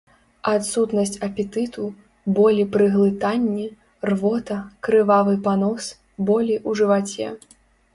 Адсутнасць апетыту, болі пры глытанні, рвота, крывавы панос, болі ў жываце.